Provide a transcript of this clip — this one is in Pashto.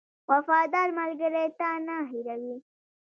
• وفادار ملګری تا نه هېروي.